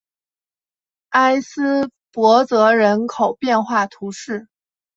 埃斯珀泽人口变化图示